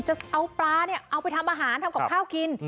จะเอาปลาเนี่ยเอาไปทำอาหารทำกับข้าวกิน